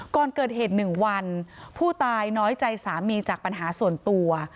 ก่อนเกิดเหตุ๑วันผู้ตายน้อยใจสามีจากปัญหาส่วนตัว